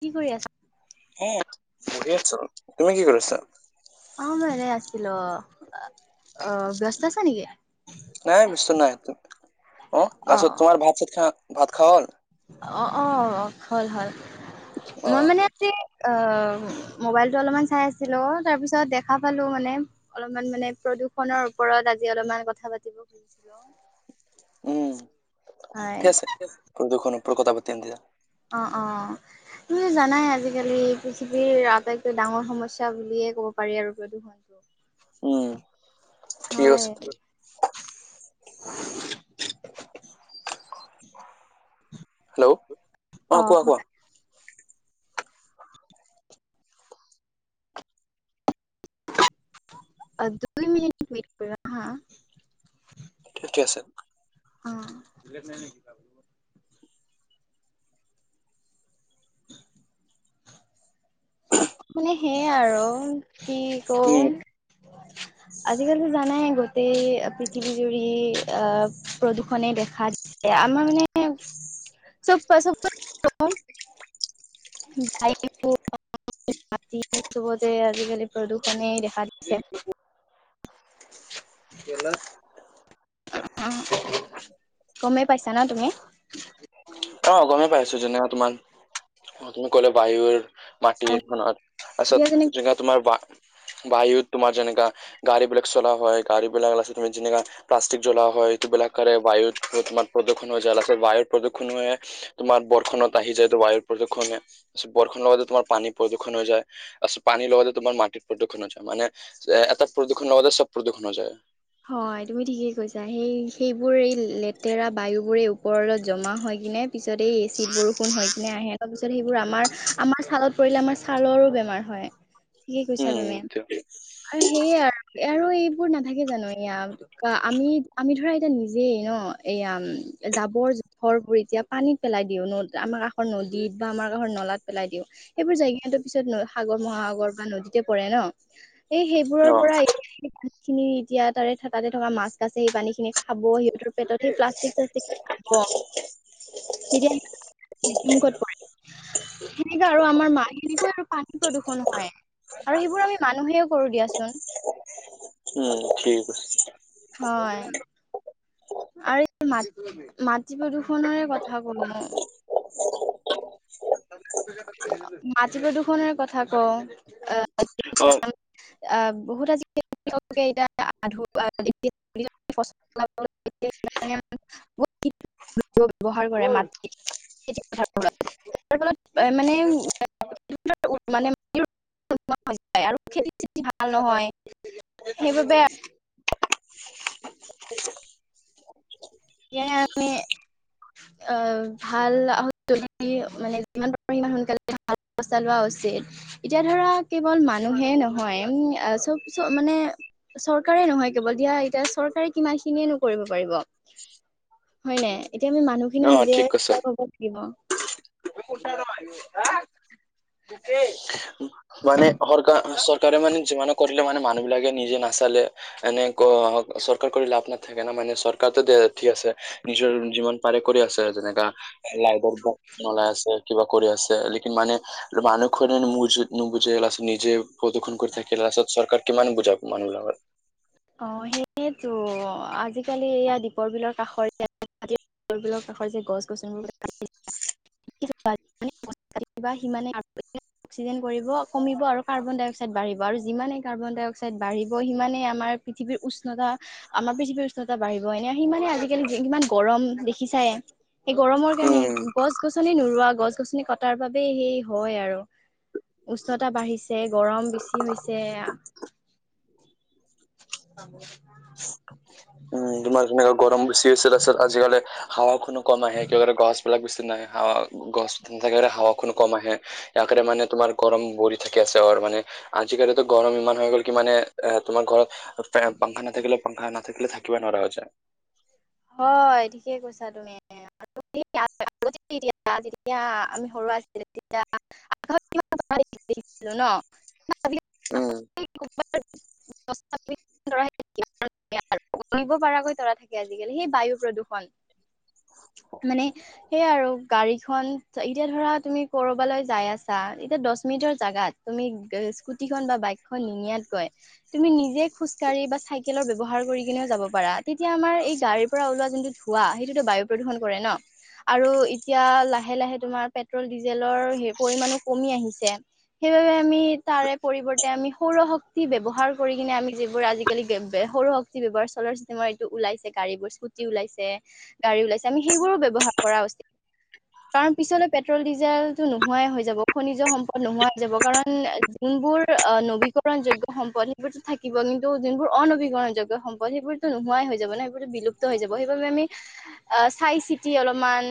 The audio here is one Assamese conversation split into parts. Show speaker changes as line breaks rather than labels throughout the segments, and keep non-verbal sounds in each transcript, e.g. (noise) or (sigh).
কি কৰি আছা?
সেইয়ে বহি আছোঁ, তুমি কি কৰিছা।
(unintelligible) অ, ব্যস্ত আছা নেকি?
নাই ব্যস্ত নাই, অ,
অ
তাৰপছত তোমাৰ ভাত চাত খ ভাত খোৱা হল?
অ', অ, হল, হল,
অ
মই মানে আজি আহ মোবাইলটো অলপমান চাই আছিলো তাৰ পিছত দেখা পালো মানে, অলপমান মানে প্ৰদূষণৰ ওপৰত বাট, আজি অলপমান কথা পাতিব খুজিলোঁ।
উম
হয়,
ঠিক আছে (unintelligible)
অ', অ, তুমি জানাই আজিকালি পৃথিৱীৰ আটাইতকৈ ডাঙৰ সমস্যা বুলিয়ে (unintelligible) ক'ব পাৰি আৰু প্ৰদূষণটো।
উম, ঠিক
হয়,
আছে হেল্ল' অ, কোৱা কোৱা।
দুই মিনিট ৱেইট কৰক হা।
ঠিকে আছে।
অ', (unintelligible) মানে সেইয়াই আৰু, কি
উম
কম?
(unintelligible)
আজিকালিতো জানাই গোটেই, পৃথিৱী জুৰি আহ প্ৰদূষনে দেখা দিছে। আমাৰ মানে চব (unintelligible) (unintelligible) মাটি চবতে, আজিকালি প্ৰদূষণেই দেখা দিছে। গেলা (unintelligible) গমেই পাইছা ন' তুমি?
অ গমেই পাইছো যেনে তোমাৰ অ তুমি ক'লে বায়ুৰ মাটিৰ এখনত, তাৰপাছত
এতিয়া যেনে
যেনেকোৱা তোমাৰ বা বায়ুত তোমাৰ যেনেকা গাড়ী বিলাক চলা হয় গাড়ী বিলাক তুমি যেনেকা প্লাষ্টিক জ্বলোৱা হয়, এইটোবিলাকে বায়ু (unintelligible) প্ৰদূষণ হৈ যায় লাষ্টত বায়ুৰ প্ৰদূণ। কোনোৱে, তোমাৰ বৰ্ষণত আহি যায় বায়ু প্ৰদূষণ এ ময়া বৰ্ষণৰ লগতে তোমাৰ পানী প্ৰদূষণ হৈ যায়। হয়, আছোঁ পানীৰ লগতে তোমাৰ মাটিৰ প্ৰদূষণ হৈ যায় মানে, এটা প্ৰদূষণৰ লগত চব প্ৰদূষণ হৈ যায়।
হয়, তুমি ঠিকেই কৈছা সেই সেইবোৰ এই লেতেৰা বায়ুবোৰে ওপৰত জমা হয় কিনে পিছত এই এচিড বৰষুণ হয়। (unintelligible) আহে তাৰপিছত সেইবোৰ আমাৰ-আমাৰ ছালত পৰিলে আমাৰ ছালৰো বেমাৰ হয়। ঠিকে কৈছা তুমি,
উম
আৰু সেইয়া আৰু, আৰু এইবোৰ নাথাকে জানো? এয়া আমি আমি ধৰা এতিয়া নিজেই ন, এয়া জাবৰ জোথৰবোৰ এতিয়া পানীত পেলাই দিও ন' আমাৰ কাষৰ নদীত বা আমাৰ কাষৰ নলাত পেলাই দিও, সেইবোৰ জাইকিনি পিছত সাগৰ মহাসাগৰ বা নদীতে পৰে ন এই সেইবোৰৰ
অ
পৰা (unintelligible) খিনি এতিয়া তাৰে থাকা দে থকা মাছ কাছ। যেয়ে এই পানীখিনি খাব, সিহঁতৰ পেটতহে প্লাষ্টিক-ছাষ্টিক পাব। (unintelligible) (unintelligible) প্ৰদূষণ হয়। আৰু সেইবোৰ আমি মানুহেও কৰোঁ দিয়াচোন।
উম ঠিক আছে
হয়। আৰু মাট- মাটি প্ৰদূষণৰে কথা ক (inaudible) মাটি প্ৰদূষণৰ কথা কওঁ। অ'
অ'।
অ' বহুত আজিকালি (unintelligible) (inaudible) (unintelligible) ব্যৱহাৰ কৰে (inaudible) (unintelligible) মানে (inaudible) (unintelligible) হৈ যায় আৰু খেতি-চেতি ভাল নহয়। সেইবাবে (unintelligible) এতিয়া আমি অ' ভাল (unintelligible) মানে যিমান পাৰি সিমান সোনকালে (unintelligible) ব্যৱস্থা লোৱা উচিত। যে, এতিয়া ধৰা কেৱল মানুহে নহয়। উম- অ'- চব- চব মানে- চৰকাৰ ৰে নহয় কেৱল, দিয়া এতিয়া চৰকাৰে কিমানখিনিয়েনো নকৰিব পাৰিব? হয় নে? এতিয়া আমি
অ
মানুহখিনিও নিজে
ঠিক আছে
(inaudible) ব লাগিব। (unintelligible)
মানে সৰকাৰ- অ'- চৰকাৰে মানে যিমানো কৰিলেও মানে মানুহবিলাকে নিজে নাচালে, এনে ক- চৰকাৰ কৰি লাভ নাথাকে ন' মানে, চৰকাৰটো দে- ঠিক আছে নিজৰ যিমান পাৰে কৰি আছে যেনেকা লাইবৰ্ড নলাই আছে কিবা কৰি আছে লেকিন মানে মানুহ খৰিয়ানে মোজ নুবুজিলে লাষ্ট নিজে প্ৰদূষণ কৰি থাকিলে লাষ্টত চৰকাৰে কিমান বুজাব মানুহবিলাগ
অ' সেয়েটো আ আজিকালি এইয়া দীপৰ বিলৰ কাষৰে (unintelligible) দীপৰ বিলৰ কাষৰ যে গছ গছনিবোৰ কাটি (unintelligible) অক্সিজেন কৰিব- কমিব আৰু, কাৰ্বন-ডাই-অক্সাইড বাঢ়িব। আৰু যিমানেই কাৰ্বন-ডাই-অক্সাইড বাঢ়িব, সিমানেই আমাৰ পৃথিৱীৰ উষ্ণতা- আমাৰ পৃথিৱীৰ উষ্ণতা বাঢ়িব। এনে সি মানে আজিকালি যি- কিমান গৰম, দেখিছায়ে। এই গৰমৰ
উম
কাৰণে- গছ-গছনি নোৰোৱা- গছ-গছনি কটাৰ বাবে সেই হয় আৰু। উষ্ণতা বাঢ়িছে, গৰম বেছি হৈছে। (unintelligible)
উম, তোমাৰ যেনেকা গৰম বেছি হৈছে, তাৰছত আজিকালি হাৱাখনো কম আহে, একেবাৰে গছবিলাক বেছি নাই। হাৱা- গছ- একেবাৰে হাৱাখনো কম আহে। ইয়াৰ কাৰণে মানে তোমাৰ গৰম বৰি থাকি আছে। আৰু মানে আজিকালিতো গৰম ইমান হৈ গ'ল, কি মানে অ' তোমাৰ ঘৰত ফেন- পাংখা নাথাকিলে - পাংখানা নাথাকিলে, থাকিবই নোৱাৰা হৈ যায়।
হয়, ঠিকে কৈছা তুমি। আৰু (unintelligible) (unintelligible) যেতিয়া আমি সৰু আছিলোঁ তেতিয়া, আকাশত কিমান তৰা দেখিছিলোঁ ন'। (unintelligible)
উম,
(inaudible) গণিব পৰাকৈ তৰা থাকে আজি। আজিকালি সেই বায়ু প্ৰদূষণ।
(inaudible)
মানে সেয়াই আৰু। গাড়ীখন- এতিয়া ধৰা, তুমি কৰবালৈ যাই আছা। এতিয়া দশ মিনিট জৰ জাগাত তুমি গ- ইস্কুতিখন বা বাইকখন নিনিয়াতকৈ, তুমি নিজে খোজ-কাঢ়ি বা চাই কেলৰ ব্যৱহাৰ কৰি কিনেও যাব পাৰা। তেতিয়া আমাৰ এ গাড়ীৰ পৰা ওল যোনটো ধোঁৱা সেইটোতো বায়ু প্ৰদূৰষণ কৰে ন। আৰু এতিয়া লাহে লাহে তোমাৰ পেট্ৰল ডিজেলৰ পৰিমানো কমি আহিছে। তৰে আমি তাৰে পৰিৱৰ্তে আমি সৌৰ শক্তি ব্যৱহাৰ কৰি কিনে আমি যিবোৰ আজিকালি সৰু শক্তি ব্যৱহাৰ চলাৰ্চ ইনভাইটো ওলাইছ- গাড়ীবোৰ স্কুটি ওলাইছে গাড়ী ওলাইছে আমি সেইবোৰো ব্যৱহাৰ কৰা উচিত। কাৰণ পিছলে পেট্ৰল ডিজেলটো নোহোৱাই হৈ যাব খনিজ সম্পদ নোহোৱাাই হৈ যাব কাৰণ এজিন বোৰ নবীকৰণ যোগ্য সম্পদ সেইবোৰতো থাকিব কিন্তু যোনবোৰ অনবীকৰণ যোগ্য সম্পদ সেইবোৰতো নোহোৱাই হৈ যাব নে। বিলুপ্ত হৈ যাব, সেইবাবে আমি অ চাই চিতি অলপমান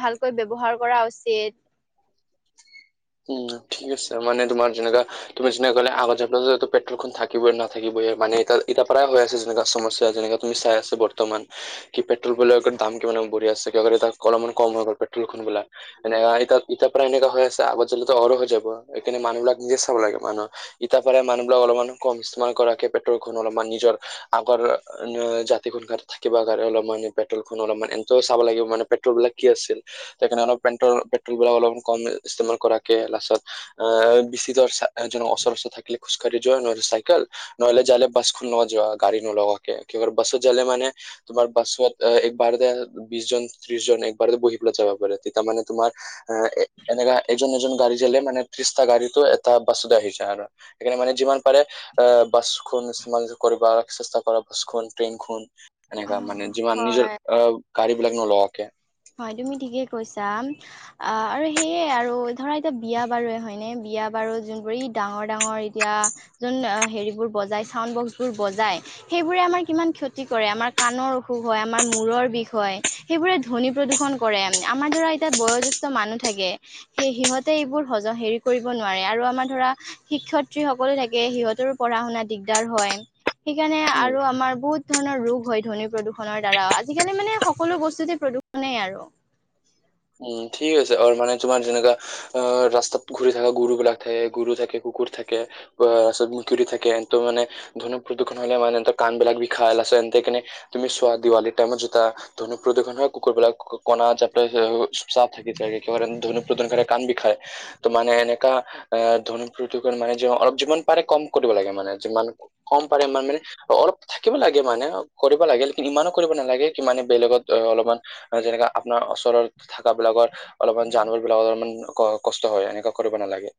ভালকৈ ব্যৱহাৰ কৰা উচিত। চেত
(inaudible) উম ঠিক আছে মানে তোমাৰ যেনেকা ক'লে (unintelligible) পেট্ৰলখন থাকিবই নাথাকিবই। মানে ইতা পাৰা হৈ আছে যেনেকা সমস্যা যেনেকা তুমি চাই আছা বৰ্তমান কি পেট্ৰল বৰ দাম কিমান বঢ়ি আছে। ক অলপমান কম হৈ গল পেট্ৰল খন বলা এনেকা ইতা পাৰা এনেকা হৈ আছে আগত অৰ হৈ যাব এইকানে মানুহবিলাক নিজে চাব লাগে মানুহ ইতাপ পাৰে মানুহবিলাক অলপমানান কম ইষ্টেম কৰাকে পেট্ৰল খন অলপমান নিজৰ আগৰ জাতি থাকিব কাৰণে অলপ মান পেট্ৰল খন অলপমান এন্ত চাব লাগিব মানে পেট্ৰল বিলাক কি আছিল সেইকাৰণে অলপ পেট্ৰ পেট্ৰল বিলাক অলপ কম ইষ্টেমাল কৰা কে লাছত অ বিচিদৰ অৰচৰ থাকিলে খোজকাঢ়ি যোৱা নহলে চাইকেল নহ'লে যালে বাচখন লগত যোৱা গাডী নলগাকে কিহৰ বাছত যালে মানে তোমাৰ বাছত একবাৰতে বিশজন ত্ৰিশজন একবাৰতে বহি পেলাই যাবা পাৰে তেতিয়া মানে তোমাৰ আহ এ এনেকা এজন এজন গাডী যালে মানে ত্ৰিশটা গাড়ীটো এটা বাছত আহি যায় আৰু সেইকাৰণে যিমান পাৰে বাছ খন ইষ্টেমাল কৰিব ৰা চেষ্টা কৰা বাছখন ট্ৰইন খন
অ
এনেকা মানে যিমান নিজৰ
হয়।
অহ গাড়ী বিলাক নলগাকে।
হয় তুমি ঠিকে কৈছা, আম আৰু সেয়ে আৰু ধৰা এতিয়া বিয়া বাৰু হয়নে বিয়া বাৰু যোনবোৰ ই ডাঙৰ -ডাঙৰ এতিয়া যোন হেৰিবোৰ বজায় চাউণ্ড বক্সবোৰ বজায় সেইবোৰে আমাৰ কিমান ক্ষতি কৰে। আমাৰ কাণৰ অসুখ হয়, আমাৰ মূৰৰ বিষ হয়, সেইবোৰে ধ্বনী প্ৰদূষণ কৰে আমাৰ ধৰা এতা বয়জেষ্ট মানুহ থাকে, সেই সিহঁতে এইবোৰ হজ হেৰি কৰিব নোৱাৰে আৰু আমাৰ ধৰা শিক্ষয়িত্ৰী সকলো থাকে সিহঁতৰো পঢ়া শুনা দিগদাৰ হয়। সেইকাৰণে
উম
আৰু আমাৰ বহুত ধৰণৰ ৰোগ হয় ধ্বনী প্ৰদূষণ দ্বাৰা আজিকালি মানে সকলো বস্তুতে প্ৰদূষ- নে আৰু।
উম ঠিক আছে আৰু মানে তোমাৰ যেনেকা আহ ৰাস্তাত ঘূৰি থকা গুৰু বিলাক থাকে গৰু থাকে। কুকুৰ থাকে মেকুৰী থাকে ত মানে ধনুক প্ৰদূষণ হলে মানে ত কাণ বিলাক বিষাই লা- কেনে তুমি চোৱা দিৱালীৰ টাইমত জোতা ধনুক প্ৰদূষণ হয় কুকুৰবিলাক কণা যাত চোপ চাপ থাকি যাই কি ধনুক প্ৰদূষণে কাণ বিষাই ত মানে এনেকা আহ ধনুক প্ৰতিক- মানে অলপ যিমান পাৰে কম কৰিব লাগে মানে, যিমান কম পাৰে ইমান মানে অলপ থাকিব লাগে মানে। কৰিব লাগে কিন্তু ইমানো কৰিব নালাগে কি মানে বেলেগত অ অলপমান যেনেকা আপোনাৰ ওচৰত থাকা বিলাকৰ অলপমান জানুৱাৰ বিলাকৰ অলমান কষ্ট হয় এনেকুৱা কৰিব নালাগে।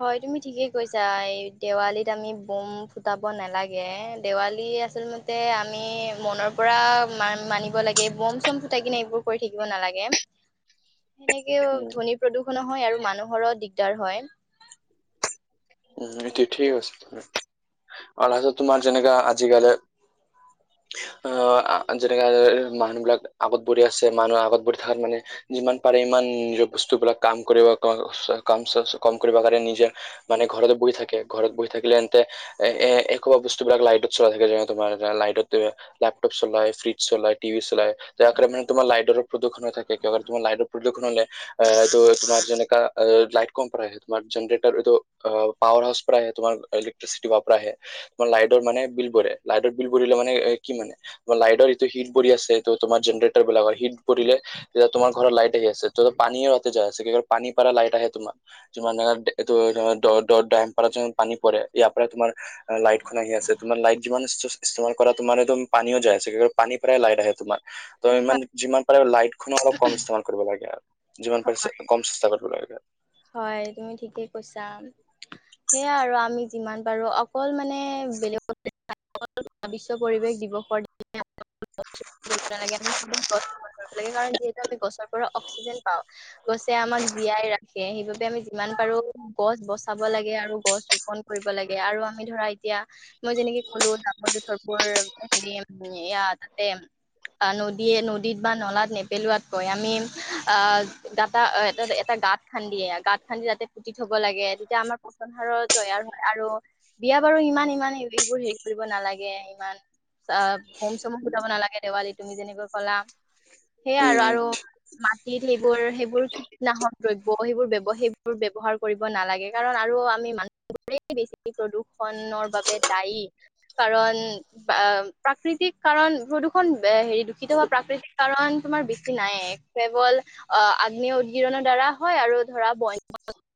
হয় তুমি ঠিকেই কৈছা, এই দেৱালীত আমি বম ফুটাব নালাগে, দেৱালী আচলতে আমি মনৰ পৰা মা মানিব লাগে বম চম ফুটাই কিনে এইবোৰ কৰি থাকিব নালাগে সেনেকেও
উম
ধ্বনী প্ৰদূষণো হয় আৰু মানুহৰো দিগদাৰ হয়।
উম
সেই
তিঠিও আছিলে অল সাজত তোমাৰ যেনেকা আজিকালি আহ যেনেকা মানুহ বিলাক আগত বহি আছে, মানুহ আগত বহি থাকাত মানে যিমান পাৰে ইমান নিজৰ বস্তুবিলাক কাম কৰিব কাম কাম কৰিব কাৰণে নিজে মানে ঘৰতে বহি থাকে ঘৰত বহি থাকিলে এন্তে এ এ একোবা বস্ত- যুবিলাক লাইটত চল থাকে যেনে তোমাৰ লাইটত লাকটপ চলাই, ফ্ৰিজ চলাই, তিভি চলাই যে তোমাৰ লাইটৰ প্ৰদূষণ হৈ থাকে তমাৰ লাইটৰ প্ৰদূষণ হলে ত তোমাৰ যেনেকা লাইট কম প্ৰাহে তোমাৰ জেনেৰেটাৰ এইটো অ পাৱাৰ হাউচ পৰা আহে তোমাৰ ইলেক্ট্ৰচিটি পৰা আহে তোমাৰ লাইতৰ মানে বিল বৰে লাইটৰ বিল বৰ মানে এ কি মানে লাইটৰ এইটো হিট পৰি আছে ত তোমাৰ জেনেৰেটৰ বিলাকৰ হিট পৰিলে তেতিয়া তোমাৰ ঘৰত লাইট আহি আছে, ত পানীয়ে সতে যাই আছে, কি পানী পৰা লাইট আহে তোমাৰ, যিমান দ ডম পাৰত পানী পৰে ইয়াৰ পৰাই তোমাৰ লাইট খন আহি আছে, তোমাৰ লাইট যিমান ইষ্টেমাল তোমাৰ একদম পানীও যায় আছে পানী পৰাই লাইট আহে তোমাৰ ত ইমান যিমান পাৰে লাইট খন অলপ কম ইস্তেমাল কৰিব লাগে আৰু যিমান পাৰিছে কম ইষ্ঠামাল কৰিব লগে।
হয় তুমি ঠিকে কৈছা, সেয়া আৰু আমি যিমান পাৰো অকল মান মানে বেলেগত, বিশ্ব পৰিৱেশ দিৱসৰ দিনা অকল গছ (unintelligible) গছ ৰোপণ কৰিব লাগে কাৰন যিহেতু আমি গছৰ পৰা অক্সিজেন পাওঁ। গছে আমাক জীয়াই ৰাখে সেইবাবে আমি যিমান পাৰো গছ বচাব লাগে আৰু গছ ৰোপন কৰিব লাগে, আৰু আমি ধৰা এতিয়া মই যেনেকে ক'লো জবৰ জোথৰ বোৰ হেৰি এয়া তাতে নদীয়ে নদীত বা নলাত নেপেলোৱাত কৈ আ আমি গাতা এটা গাত খান্দিয়ে গাতত খান্দি তাতে পুতি থব লাগে তেতিয়া আমাৰ পাচন সাৰৰ তৈয়াৰ হয় আৰু বিয়া বাৰু। ইমান ইমান এইবোৰ হে নালাগে ইমান বোম চম ফুটাব নালাগে দেৱালীত তুমি যেনেকৈ কলা সেইয়াই আৰু আৰু
উম
মাটি গোৰ সেইবোৰ কীটনাশক দ্ৰব্য সেইবোৰ ব্যব সেইবোৰ ব্যৱহাৰ কৰিব নালাগে কাৰণ আৰু আমি মানুহ বোৰে বেছি প্ৰদূষণৰ বাবে দায়ী কাৰণ প্ৰাকৃতিক কাৰণ প্ৰদূষণ হেৰি দূষিত হোৱা প্ৰাকৃতিক কাৰণ তোমাৰ বেছি নাইয়ে কেৱল অ আগ্নেয় উদ্গিৰণৰ দ্বাৰা হয় আৰু ধৰা ব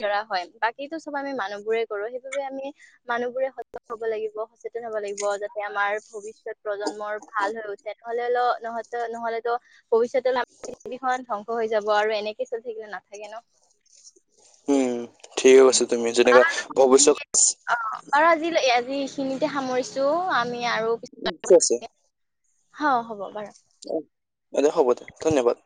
দ্বাৰা হয় বাকী চব আমি মানুহ বোৰে কৰো সেইবাবে আমি মানুহবোৰে সহ্য কৰিব লাগিব যে প্ৰস্তুত হ'ব লাগিব যাতে আমাৰ ভৱিষ্যত প্ৰজন্মৰ ভাল হৈ উঠে নহ'লে অল নহ নহলেতো ভৱিষ্যতে আমাৰ পৃথিৱীখন ধ্বংস হৈ যাব আৰু এনেকে চলি থাকিলে নাথাকে ন'।
হম।
অ বাৰ (unintelligible) আজি এইখিনিতে সামৰিছো আমি আৰু পিছ
উ আছে (unintelligible)
অ হ'ব বাৰু।
অ বাইদেউ হ'ব দে ধন্যবাদ।